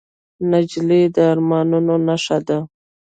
نجلۍ د ارمانونو نښه ده.